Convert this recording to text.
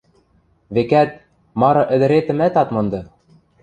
Векӓт, мары ӹдӹретӹмӓт ат монды.